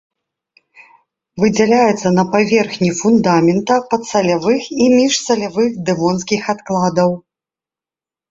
Выдзяляецца па паверхні фундамента, падсалявых і міжсалявых дэвонскіх адкладаў.